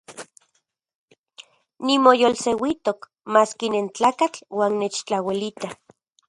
Nimoyolseuijtok maski nentlakatl uan nechtlauelita.